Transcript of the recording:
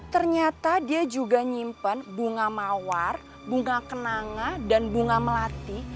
ternyata dia juga nyimpen bunga mawar bunga kenanga dan bunga melati